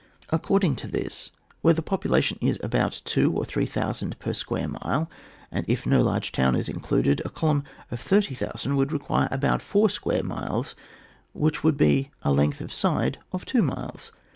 Ac cording to this, where the population is about 2,000 or 3,000 per square mile, and if no large town is included, a column of 30,000 would require about four square miles, which would be a length of side of two miles.